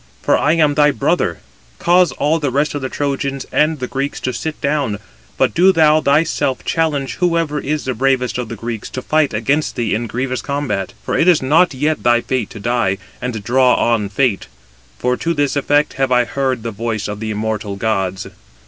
for I am thy brother. Cause all the rest of the Trojans and the Greeks to sit down, but do thou thyself challenge whoever is the bravest of the Greeks to fight against thee in grievous combat. For it is not yet thy fate to die, and draw on fate; for to this effect have I heard the voice of the immortal gods."